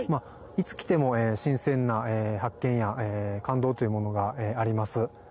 いつ来ても新鮮な発見や感動というものがあります。